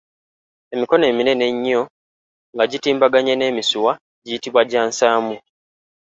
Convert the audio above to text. Emikono eminene ennyo nga gitimbaganye n’emisiwa giyitibwa gya Nsaamu.